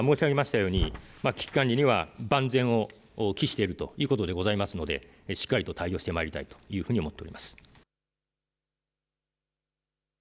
今申し上げましたとおり危機管理には万全を期しているということでございますのでしっかりと対応してまいりたいと思います。